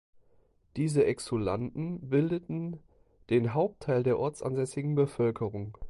Diese Exulanten bildeten den Hauptteil der ortsansässigen Bevölkerung.